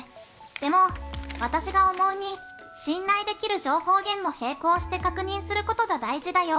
でも、ワタシが思うに信頼できる情報源も並行して確認することが大事だよ！